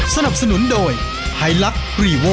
สนับสนุนโดยไฮลักษ์รีโว